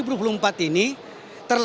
terselenggara dengan bahwa